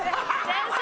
先生！